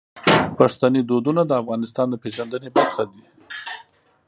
پښتني دودونه د افغانستان د پیژندنې برخه دي.